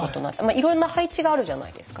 いろんな配置があるじゃないですか。